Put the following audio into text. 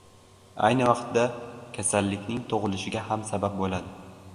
ayni vaqtda kasallikning tug‘ilishiga ham sabab bo‘ladi.